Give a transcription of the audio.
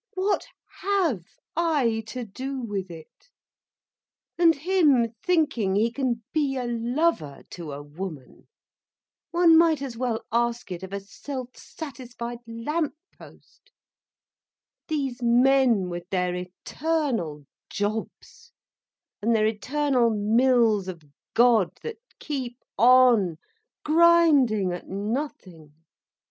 What have I to do with it—and him thinking he can be a lover to a woman! One might as well ask it of a self satisfied lamp post. These men, with their eternal jobs—and their eternal mills of God that keep on grinding at nothing!